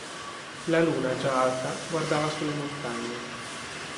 La luna già alta guardava sulle montagne.